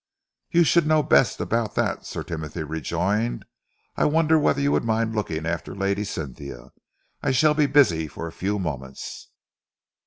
"You should know best about that," Sir Timothy rejoined. "I wonder whether you would mind looking after Lady Cynthia? I shall be busy for a few moments."